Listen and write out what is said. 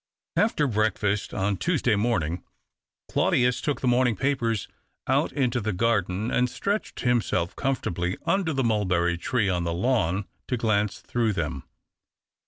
After breakfast on Tuesday morning, Clau dius took the morning papers out into the garden, and stretched himself comfortal:)ly under the mulberry tree on the lawn to glance throuo; li them.